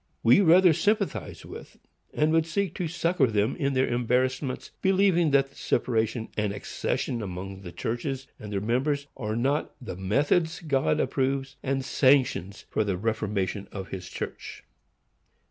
We rather sympathize with, and would seek to succor them in their embarrassments, believing that separation and secession among the churches and their members are not the methods God approves and sanctions for the reformation of his church.